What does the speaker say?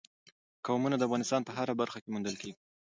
قومونه د افغانستان په هره برخه کې موندل کېږي.